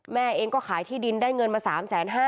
แม่เองก็ขายที่ดินได้เงินมา๓๕๐๐